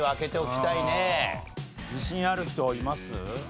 自信ある人います？